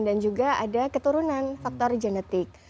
dan juga ada keturunan faktor genetik